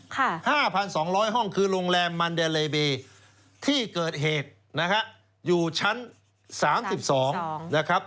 ค่ะ๕๒๐๐ห้องคือโรงแรมมันเดเลเบียที่เกิดเหตุอยู่ชั้น๓๒